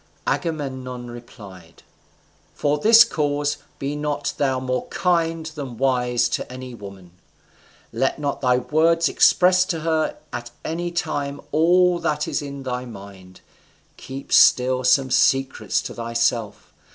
Agamemnon replied, "For this cause be not thou more kind than wise to any woman. Let not thy words express to her at any time all that is in thy mind, keep still some secrets to thyself.